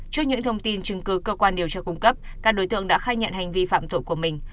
trước những thông tin chứng cứ cơ quan điều tra cung cấp các đối tượng đã khai nhận hành vi phạm tội của mình